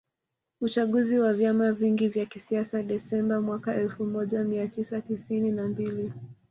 Uchaguzi wa vyama vingi vya kisiasa Desemba mwaka elfumoja miatisa tisini na mbili